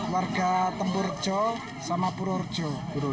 warga temburjo sama pururjo